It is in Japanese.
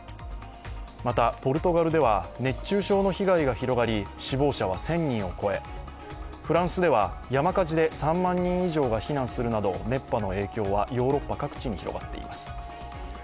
また、ポルトガルでは熱中症の被害が広がり死亡者は１０００人を超え、フランスでは山火事で３万人以上が避難するなど熱波の影響はヨーロッパ各地に広がっています。